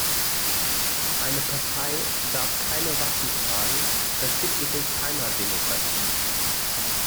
Eine Partei darf keine Waffen tragen, das gibt es in keiner Demokratie.